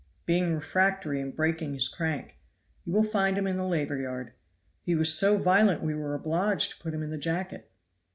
"Being refractory and breaking his crank. You will find him in the labor yard. He was so violent we were obliged to put him in the jacket."